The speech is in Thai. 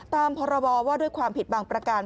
พรบว่าด้วยความผิดบางประการ